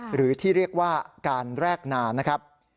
หรือที่เรียกว่าการแรกนานะครับ